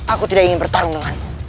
aku tidak ingin bertarung dengan